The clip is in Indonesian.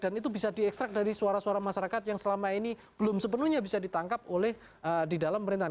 dan itu bisa diekstrak dari suara suara masyarakat yang selama ini belum sepenuhnya bisa ditangkap oleh di dalam pemerintahan